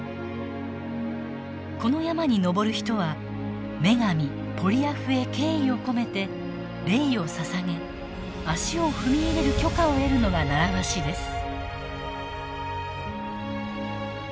この山に登る人は女神ポリアフへ敬意を込めてレイを捧げ足を踏み入れる許可を得るのが習わしです。